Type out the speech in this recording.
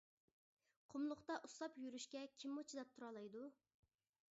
قۇملۇقتا ئۇسساپ يۈرۈشكە كىممۇ چىداپ تۇرالايدۇ.